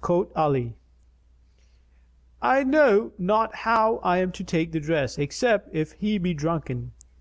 Quoth Ali, "I know not how I am to take the dress except if he be drunken."